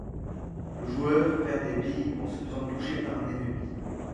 Le joueur perd des billes en se faisant toucher par un ennemi.